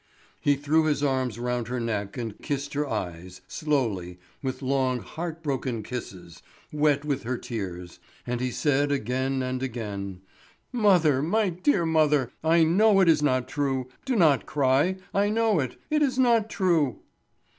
He threw his arms round her neck and kissed her eyes, slowly, with long heart broken kisses, wet with her tears; and he said again and again: "Mother, my dear mother, I know it is not true. Do not cry; I know it. It is not true."